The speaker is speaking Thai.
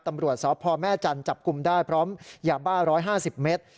ตำรวจสพแม่จันทร์จับกลุ่มได้พร้อมยาบ้า๑๕๐เมตร